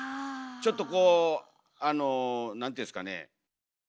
ちょっとこうあのなんていうんですかね。